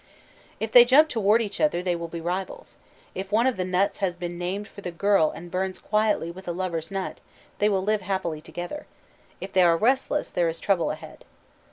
_ If they jump toward each other, they will be rivals. If one of the nuts has been named for the girl and burns quietly with a lover's nut, they will live happily together. If they are restless, there is trouble ahead.